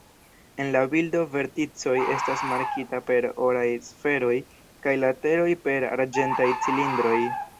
En la bildo verticoj estas markita per oraj sferoj, kaj lateroj per arĝentaj cilindroj.